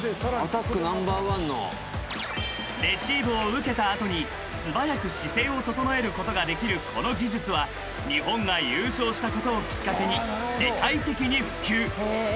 ［レシーブを受けた後に素早く姿勢を整えることができるこの技術は日本が優勝したことをきっかけに世界的に普及］